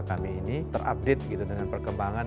dan kita ingin menjaga keuntungan dan keuntungan